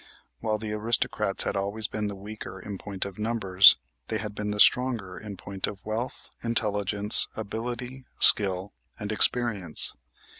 While the aristocrats had always been the weaker in point of numbers, they had been the stronger in point of wealth, intelligence, ability, skill and experience.